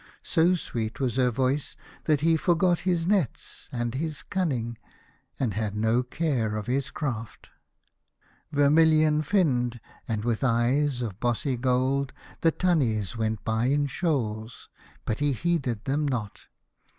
So sweet was her voice that he forgot his nets and his cunning, and had no care of his craft. Vermilion finned and with eyes of bossy gold, the tunnies went by in shoals, but he heeded them not.